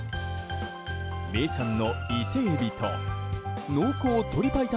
名産の伊勢エビと濃厚鶏白湯